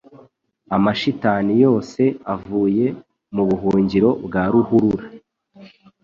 amashitani yose avuye mubuhungiro bwa ruhurura